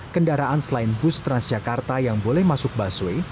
kendaraan selain bus transjakarta yang boleh masuk busway